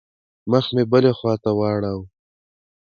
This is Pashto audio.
مخ مې بلې خوا ته واړاوه.